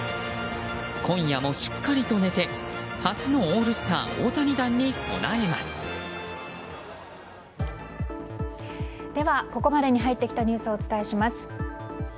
今夜もしっかりと寝て初のオールスター大谷弾にでは、ここまでに入ってきたニュースをお伝えします。